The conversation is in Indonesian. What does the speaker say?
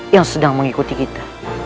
yang sedang mengikuti kita